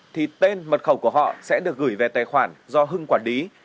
thì tên mật khẩu của họ sẽ được gửi về tài khoản do hưng quản lý